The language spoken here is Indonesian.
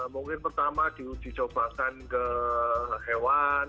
mungkin pertama diutih cobaan ke hewan